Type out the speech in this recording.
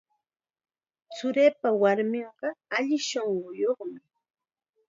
Churiipa warminqa alli shunquyuqmi.